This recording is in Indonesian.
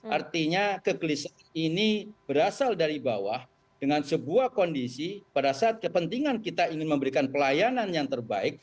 artinya kegelisahan ini berasal dari bawah dengan sebuah kondisi pada saat kepentingan kita ingin memberikan pelayanan yang terbaik